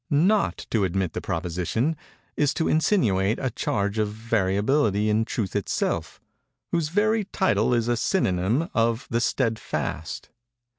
Not to admit the proposition, is to insinuate a charge of variability in Truth itself, whose very title is a synonym of the Steadfast.